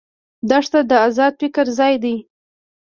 دښته د آزاد فکر ځای ده.